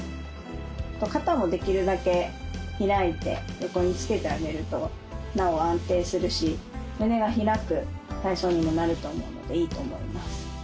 肩もできるだけ開いて横につけてあげるとなお安定するし胸が開く体操にもなると思うのでいいと思います。